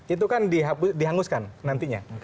itu kan dihanguskan nantinya